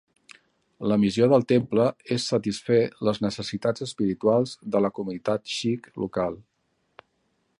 La missió del temple, és satisfer les necessitats espirituals de la comunitat sikh local.